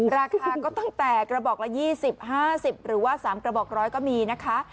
ราคาก็ตั้งแต่กระบอกละ๒๐๕๐หรือว่า๓กระบอก๑๐๐ก็มีนะคะ